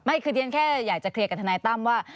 คือเรียนแค่อยากจะเคลียร์กับทนายตั้มว่า